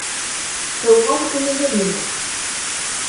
Тыуған көнөгөҙ менән!